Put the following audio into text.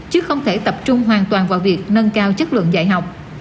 chứ không thể tập trung hoàn toàn vào việc nâng cao chất lượng dạy học